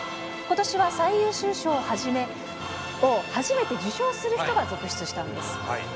ことしは最優秀賞を初めて受賞する人が続出したんです。